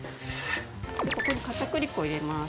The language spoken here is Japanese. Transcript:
ここに片栗粉を入れます。